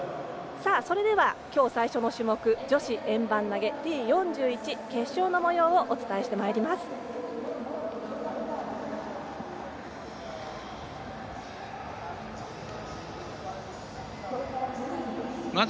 それでは今日最初の種目女子円盤投げＴ４１決勝のもようをお伝えしてまいります。